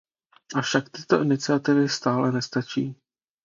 Avšak tyto iniciativy stále nestačí.